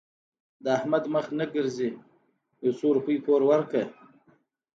د احمد مخ نه ګرځي؛ يو څو روپۍ پور ورکړه.